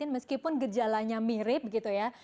meskipun gejalanya mirip gitu ya